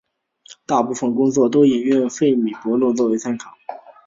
大部分工作都引用费米悖论作为参考。